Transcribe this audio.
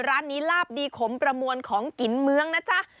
ร้านนี้ลาบดีขมประมวลของกินเมืองนะจ๊ะ